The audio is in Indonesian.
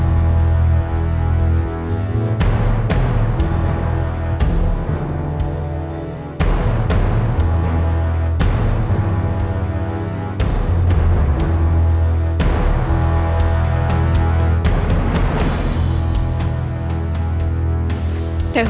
tidak ada yang bisa diberikan